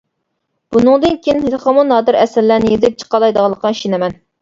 بۇنىڭدىن كېيىن تېخىمۇ نادىر ئەسەرلەرنى يېزىپ چىقالايدىغانلىقىغا ئىشىنىمەن!